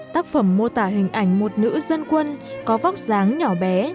tác phẩm mô tả hình ảnh một nữ dân quân có vóc dáng nhỏ bé